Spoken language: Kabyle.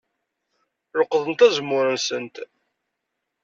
Leqḍent azemmur-nsent.